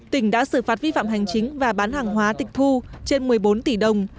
tỉnh đã xử phạt vi phạm hành chính và bán hàng hóa tịch thu trên một mươi bốn tỷ đồng